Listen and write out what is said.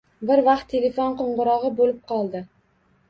Bir vaqt telefon qoʻngʻirogʻi boʻlib qoldi.